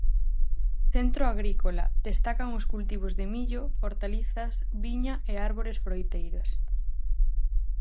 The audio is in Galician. Centro agrícola, destacan os cultivos de millo, hortalizas, viña e árbores froiteiras.